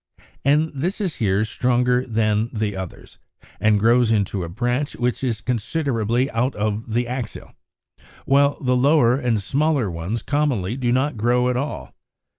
And this is here stronger than the others, and grows into a branch which is considerably out of the axil, while the lower and smaller ones commonly do not grow at all.